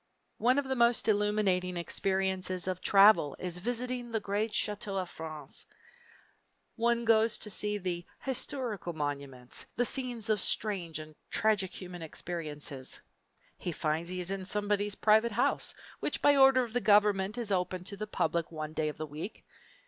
One of the most illuminating experiences of travel is visiting the great chateaux of France. One goes to see "historical monuments," the scenes of strange and tragic human experiences; he finds he is in somebody's private house, which by order of the government is opened to the public one day of the week!